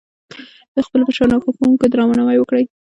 د خپلو مشرانو او ښوونکو درناوی وکړئ.